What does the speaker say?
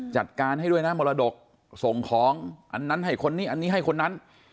จัดการให้ด้วยนะมรดกส่งของอันนั้นให้คนนี้อันนี้ให้คนนั้น